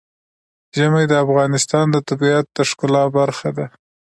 ژمی د افغانستان د طبیعت د ښکلا برخه ده.